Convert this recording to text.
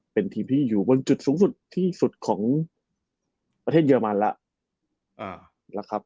เป็นทีมที่อยู่บนจุดสูงสุดที่สุดของประเทศเยอรมันแล้วนะครับ